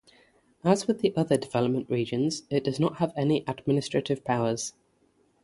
As with the other development regions, it does not have any administrative powers.